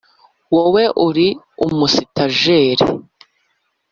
wowe uri umusitajeri.